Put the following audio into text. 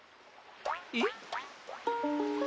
えっ？